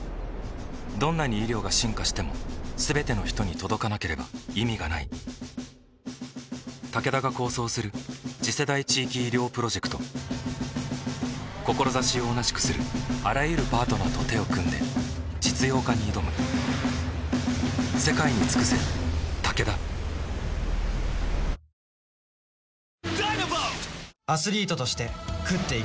どんなに医療が進化しても全ての人に届かなければ意味がないタケダが構想する次世代地域医療プロジェクト志を同じくするあらゆるパートナーと手を組んで実用化に挑む颯という名の爽快緑茶！